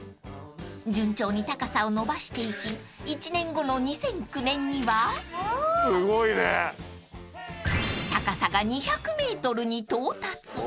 ［順調に高さを延ばしていき１年後の２００９年には高さが２００ｍに到達］